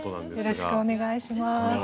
よろしくお願いします。